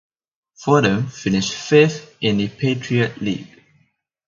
Fordham finished fifth in the Patriot League.